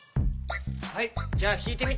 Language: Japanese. はいじゃあひいてみて！